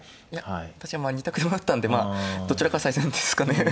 確かに２択ではあったんでどちらか最善ですかね。